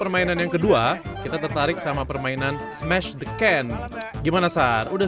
permainan smash the can dimana sa venues siap kalah lagi untuk dapat mengikuti